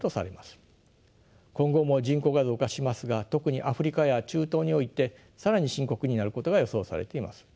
今後も人口が増加しますが特にアフリカや中東において更に深刻になることが予想されています。